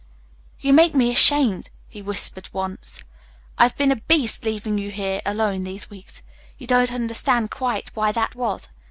"You make me ashamed," he whispered once. "I've been a beast, leaving you here alone these weeks. You don't understand quite, why that was."